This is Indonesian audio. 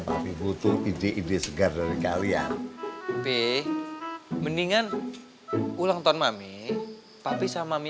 tapi butuh ide ide segar dari kalian tapi mendingan ulang tahun mami tapi sama mie